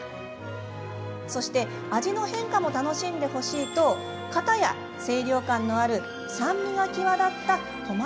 そして味の変化も楽しんでほしいと片や清涼感のある酸味が際立ったトマトソース。